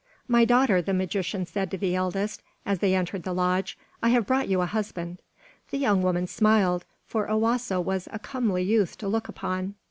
"My daughter," the magician said to the eldest, as they entered the lodge, "I have brought you a husband." The young woman smiled; for Owasso was a comely youth to look upon.